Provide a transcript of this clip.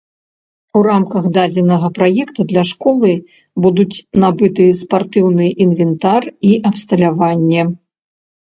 У рамках дадзенага праекта для школы будуць набыты спартыўны інвентар і абсталяванне.